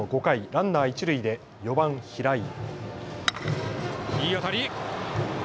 ランナー一塁で４番・平井。